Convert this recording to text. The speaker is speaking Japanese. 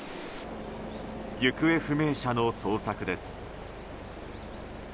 行方不明者の捜索です。